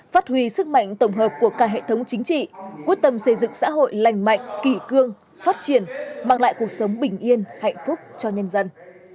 phát huy sức mạnh tổng hợp của cả hệ thống chính trị quyết tâm xây dựng xã hội lành mạnh kỷ cương phát triển mang lại cuộc sống bình yên hạnh phúc cho nhân dân